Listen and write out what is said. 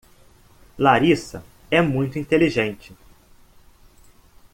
Larissa é muito inteligente.